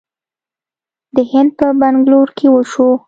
د هند په بنګلور کې وشوه